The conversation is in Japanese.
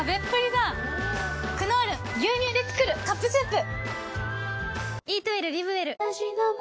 「クノール牛乳でつくるカップスープ」